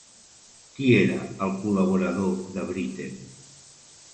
Qui era el col·laborador de Britten?